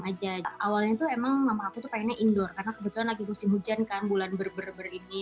aja awalnya itu emang mama aku tuh pengennya indoor karena kebetulan lagi musim hujan kan bulan ber ini